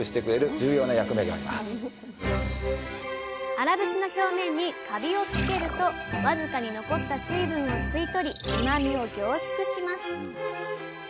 荒節の表面にカビをつけると僅かに残った水分を吸い取りうまみを凝縮します。